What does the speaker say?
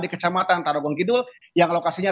di kecamatan tarogong kidul yang lokasinya